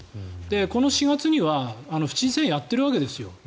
この４月には府知事選をやっているわけですよ。